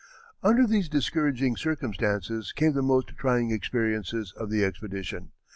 Under these discouraging circumstances came the most trying experiences of the expedition.